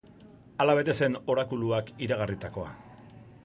Hala bete zen orakuluak iragarritakoa.